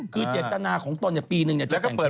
คือเศรษฐนาของตอนนี้ปีหนึ่งจะแต่งเพลง